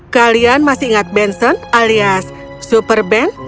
kalian masih ingat benson alias super band